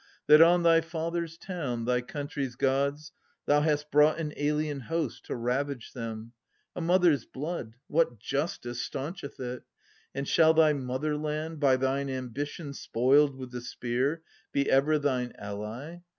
That on thy father's town, thy country's Gods, Thou hast brought an alien host, to ravage them ! A mother's blood, what justice " stancheth it ? And shall thy motherland, by thine ambition Spoiled with the spear, be ever thine ally